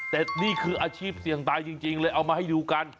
แต่นี่คืออาชีพเสี่ยงตายจริงเลยเอามาให้ดูกัน